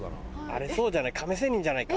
あれそうじゃない？